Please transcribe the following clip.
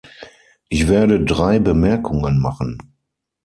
Ich werde drei Bemerkungen machen.